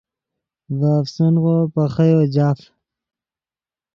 ڤے افسنغو پے خییو جاف